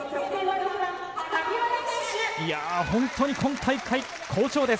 本当に今大会、好調です。